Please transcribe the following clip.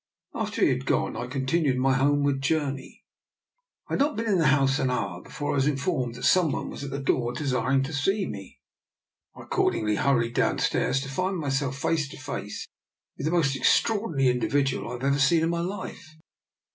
After he had gone, I continued my homeward journey. I had not been in the house an hour be fore I was informed that some one was at the door desiring to see me. I accordingly hurried downstairs, to find myself face to face with the most extraordinary individual I have ever seen in my life.